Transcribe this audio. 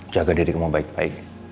jaga dirimu baik baik